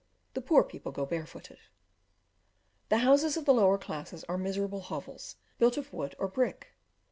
The poor people go barefooted. The houses of the lower classes are miserable hovels, built of wood or brick.